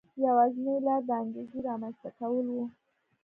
یوازینۍ لار د انګېزې رامنځته کول و.